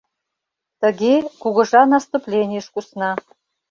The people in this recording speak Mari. Тыге, кугыжа наступленийыш кусна.